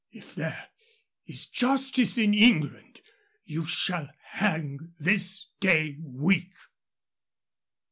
"If there is justice in England, you shall hang this day week."